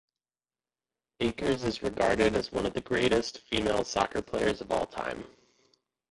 Akers is regarded as one of the greatest female soccer players of all time.